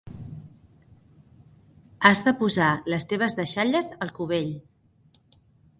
Has de posar les teves deixalles al cubell.